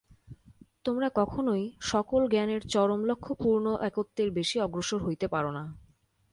তোমরা কখনই সকল জ্ঞানের চরম লক্ষ্য পূর্ণ একত্বের বেশী অগ্রসর হইতে পার না।